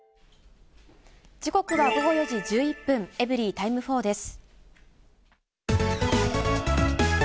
時刻は午後４時１１分、エブリィタイム４です。